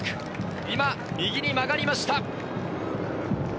今、右に曲がりました。